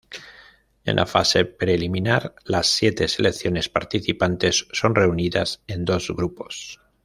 En la fase preliminar las siete selecciones participantes son reunidas en dos grupos.